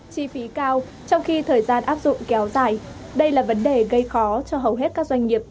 chi phí cao trong khi thời gian áp dụng kéo dài đây là vấn đề gây khó cho hầu hết các doanh nghiệp